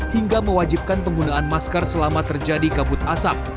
hingga mewajibkan penggunaan masker selama terjadi kabut asap